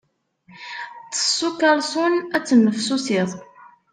Ṭṭes s ukalṣun, ad tennefsusiḍ.